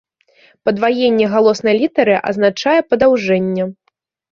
Падваенне галоснай літары азначае падаўжэнне.